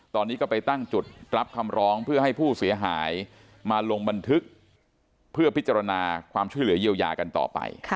ตอนนี้ก็ไปตั้งจุดรับคำร้องเพื่อให้ผู้เสียหายมาลงบันทึกเพื่อพิจารณาความช่วยเหลือเยียวยากันต่อไป